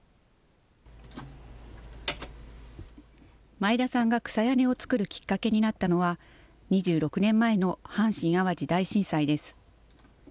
前田さんが草屋根を作るきっかけになったのは、２６年前の阪神・淡路大震災です。